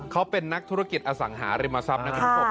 เขาเป็นนักธุรกิจอสังหาริมทรัพย์นะคุณผู้ชม